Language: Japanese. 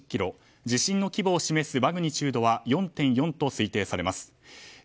地震の規模を示すマグニチュードは４．４と推定されます。